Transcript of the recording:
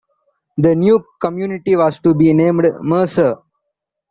The new community was to be named Mercer.